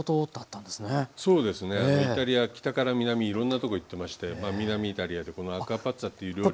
そうですねイタリア北から南いろんなとこへ行ってまして南イタリアでこのアクアパッツァという料理が。